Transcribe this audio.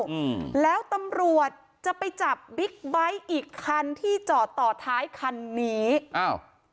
อืมแล้วตำรวจจะไปจับบิ๊กไบท์อีกคันที่จอดต่อท้ายคันนี้อ้าว